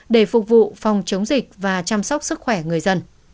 để phục vụ phòng chống dịch và chăm sóc sức khỏe người dân